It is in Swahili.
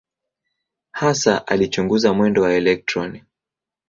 Hasa alichunguza mwendo wa elektroni.